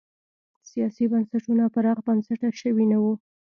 سیاسي بنسټونه پراخ بنسټه شوي نه وو.